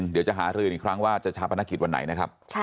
บักกะนี่นี่